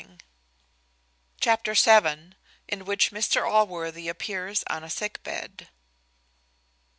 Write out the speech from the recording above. Chapter vii. In which Mr Allworthy appears on a sick bed.